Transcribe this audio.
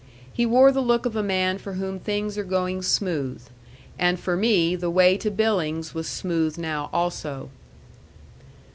He wore the look of a man for whom things are going smooth. And for me the way to Billings was smooth now, also.